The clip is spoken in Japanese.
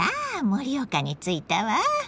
盛岡に着いたわ。